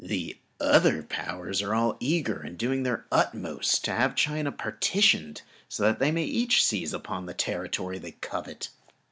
The other Powers are all eager and are doing their utmost to have China partitioned, so that they may each seize upon the territory they covet.